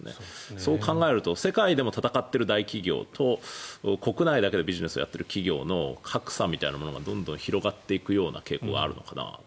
そう考えると世界でも戦っている大企業と国内だけでビジネスをやっている企業の格差みたいなものがどんどん広がっていく傾向があるのかなと。